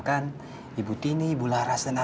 kalau tidak bubuk di gigit nyemuk